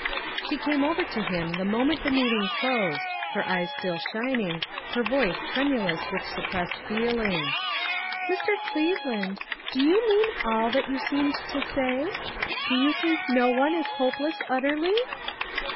I SHE came over to him the moment the meeting closed, her eyes still shining, her voice tremulous with suppressed feeling. "Mr. Cleveland, do you mean all that you seemed to say? Do you think no one is hopeless utterly